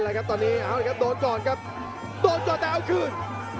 โหแล้วครับโดดก่อนโดดก่อนแต่เอาคืน